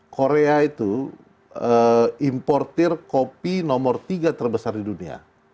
korea itu importer kopi nomor tiga terbesar di dunia